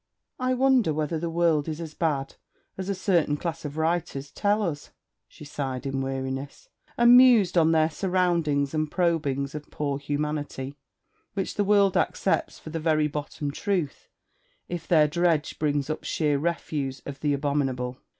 'I wonder whether the world is as bad as a certain class of writers tell us!' she sighed in weariness, and mused on their soundings and probings of poor humanity, which the world accepts for the very bottom truth if their dredge brings up sheer refuse of the abominable.